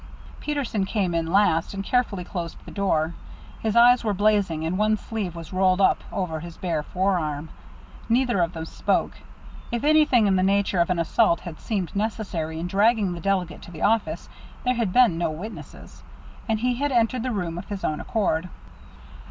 Peterson came in last, and carefully closed the door his eyes were blazing, and one sleeve was rolled up over his bare forearm. Neither of them spoke. If anything in the nature of an assault had seemed necessary in dragging the delegate to the office, there had been no witnesses. And he had entered the room of his own accord.